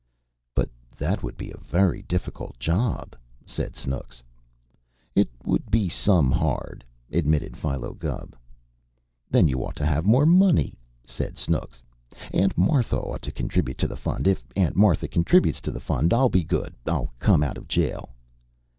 "But that would be a very difficult job," said Snooks. "It would be some hard," admitted Philo Gubb. "Then you ought to have more money," said Snooks. "Aunt Martha ought to contribute to the fund. If Aunt Martha contributes to the fund, I'll be good. I'll come out of jail."